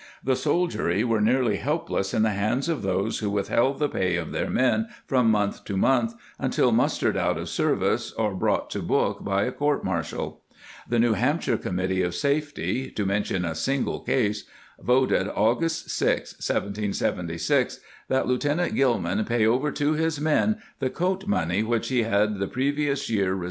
The soldiery were nearly helpless in the hands of those who withheld the pay of their men from month to month until mustered out of service or brought to book by a court martial.^ The New Hamp shire committee of safety — to mention a single case — voted August 6, 1776, that Lieutenant Gilman pay over to his men the coat money which he had the previous year received for ' Dr. A.